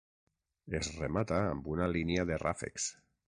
Es remata amb una línia de ràfecs.